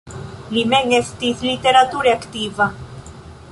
Li mem estis literature aktiva.